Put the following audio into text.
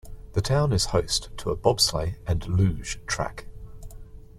The town is host to a bobsleigh and luge track.